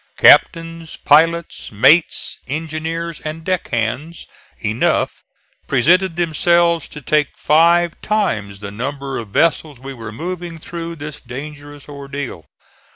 Captains, pilots, mates, engineers and deck hands enough presented themselves to take five times the number of vessels we were moving through this dangerous ordeal.